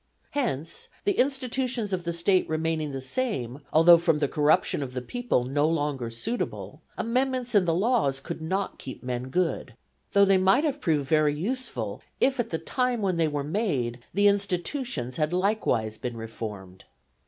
Hence, the institutions of the State remaining the same although from the corruption of the people no longer suitable, amendments in the laws could not keep men good, though they might have proved very useful if at the time when they were made the institutions had likewise been reformed.